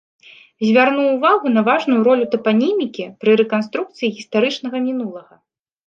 Звярнуў увагу на важную ролю тапанімікі пры рэканструкцыі гістарычнага мінулага.